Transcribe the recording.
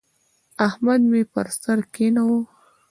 احمد مې پر سر کېناوو.